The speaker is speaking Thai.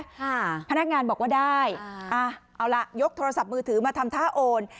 ค่ะพนักงานบอกว่าได้อ่าเอาล่ะยกโทรศัพท์มือถือมาทำท่าโอน